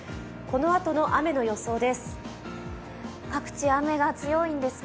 このあとの雨の予想です。